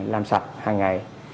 làm sạch hàng ngày